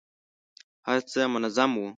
هر څه منظم وو.